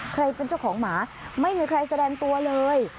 ใครเป็นเจ้าของหมาไม่มีใครแสดงตัวเลย